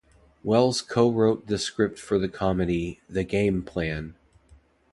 Wells co-wrote the script for the comedy "The Game Plan".